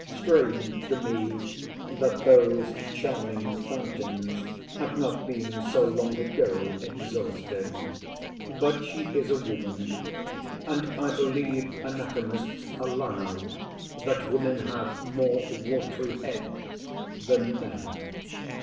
Strange to me that those charming fountains have not been so long ago exhausted! But she is a woman. And I believe anatomists allow, that women have more watry heads than men.